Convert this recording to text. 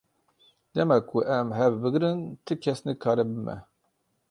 Dema ku em hev bigrin ti kes nikare bi me.